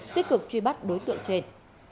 tích cực truy bắt đối tượng trên